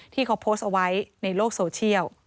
ที่เขาโพสต์เอาไว้ในโลกโซเชียล